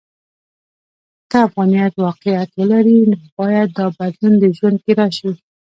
که افغانیت واقعیت ولري، باید دا بدلون د ژوند کې راشي.